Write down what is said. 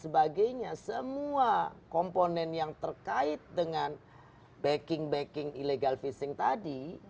sebagainya semua komponen yang terkait dengan backing backing illegal fishing tadi